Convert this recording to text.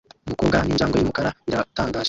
Umukobwa ninjangwe yumukara biratangaje